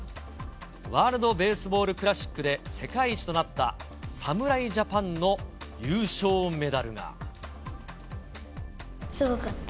ワールドベースボールクラシックで世界一となった侍ジャパンの優すごかった。